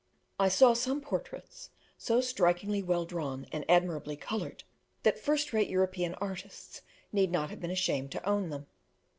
I saw some portraits so strikingly well drawn, and admirably coloured, that first rate European artists need not have been ashamed to own them.